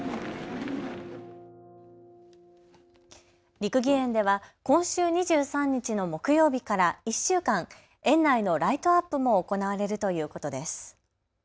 六義園では今週２３日の木曜日から１週間園内のライトアップも行われるということです。